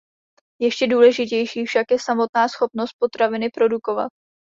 Ještě důležitější však je samotná schopnost potraviny produkovat.